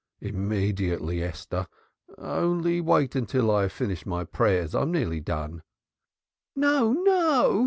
"Immediately, Esther. Wait only till I have finished my prayers. I am nearly done." "No! No!"